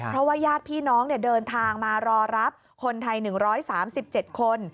เพราะว่าญาติพี่น้องเดินทางมารอรับคนไทย๑๓๗คน